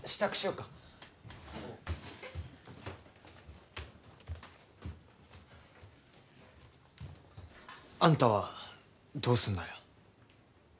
うんあんたはどうすんだよ